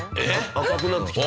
赤くなってきた。